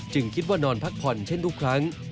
คิดว่านอนพักผ่อนเช่นทุกครั้ง